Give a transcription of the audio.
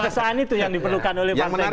keresahan itu yang diperlukan oleh partai golkar